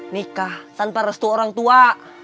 nikah tanpa restu orang tua